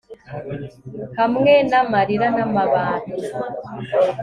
Hamwe namarira namababi